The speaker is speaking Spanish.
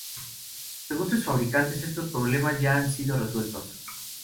Según sus fabricantes, estos problemas ya han sido resueltos.